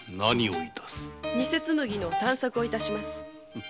ニセ紬の探索を致します！